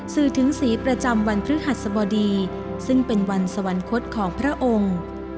สื่อถึงสีประจำวันพฤหัสบดีซึ่งเป็นวันสวรรคตของพระองค์